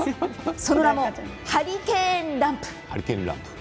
その名もハリケーンランプ。